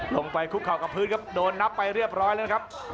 ลงไปคุกเข่ากับพื้นครับโดนนับไปเรียบร้อยแล้วนะครับ